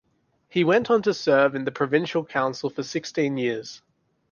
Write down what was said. He went on to serve in the provincial council for sixteen years.